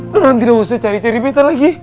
mereka tidak usah cari cari bete lagi